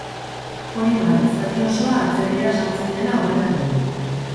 Hori bai, zati osoa atzerrira saltzen dela aurreratu du.